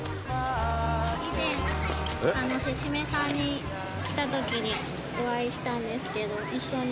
以前勢〆さんに来たときにお会いしたんですけど一緒に。